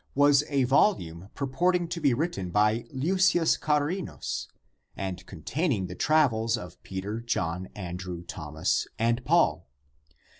114) was a volume purporting to be written by Leucius Charinus and containing the travels of Peter, John, Andrew, Thomas and Paul.